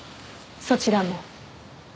そちらも？